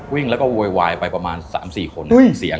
วิ่งแล้วก็โวยวายไปประมาณ๓๔คนเสียง